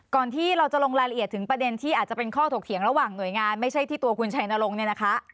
ที่เราจะลงรายละเอียดถึงประเด็นที่อาจจะเป็นข้อถกเถียงระหว่างหน่วยงานไม่ใช่ที่ตัวคุณชัยนรงค์เนี่ยนะคะ